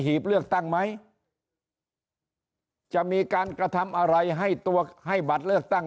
หีบเลือกตั้งไหมจะมีการกระทำอะไรให้ตัวให้บัตรเลือกตั้ง